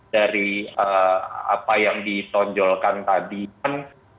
dari apa yang ditonjolkan tadi kan